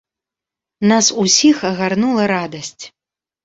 Нас усіх агарнула радасць.